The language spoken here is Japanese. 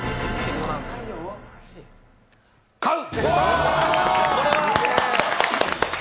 買う！